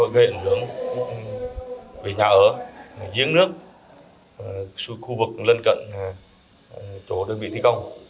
gây ảnh hưởng về nhà ở giếng nước khu vực lên cận chỗ đơn vị thi công